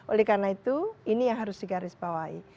oleh karena itu ini yang harus digarisbawahi